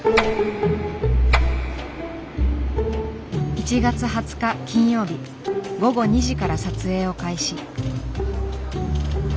１月２０日金曜日午後２時から撮影を開始。